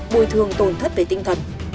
bồi thường tồn thất về tinh thần